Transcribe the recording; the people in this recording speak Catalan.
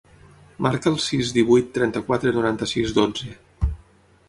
Marca el sis, divuit, trenta-quatre, noranta-sis, dotze.